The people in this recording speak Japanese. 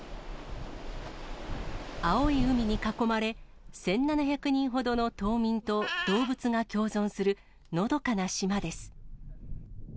青い海に囲まれ、１７００人ほどの島民と動物が共存するのどかな島です。